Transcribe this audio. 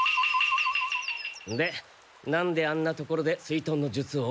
でなんであんな所で水の術を？